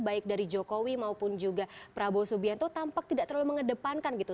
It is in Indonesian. baik dari jokowi maupun juga prabowo subianto tampak tidak terlalu mengedepankan gitu